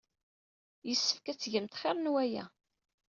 Yessefk ad tgemt xir n waya.